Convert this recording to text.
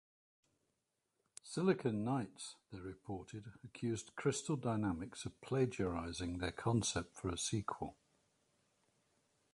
Silicon Knights, they reported, accused Crystal Dynamics of plagiarizing their concept for a sequel.